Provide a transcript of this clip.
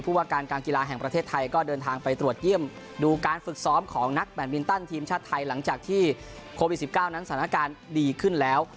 ว่าการการกีฬาแห่งประเทศไทยก็เดินทางไปตรวจเยี่ยมดูการฝึกซ้อมของนักแบตมินตันทีมชาติไทยหลังจากที่โควิด๑๙นั้นสถานการณ์ดีขึ้นแล้ว